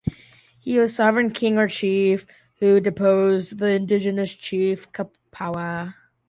He was sovereign king or chief, who deposed the indigenous chief, Kapawa.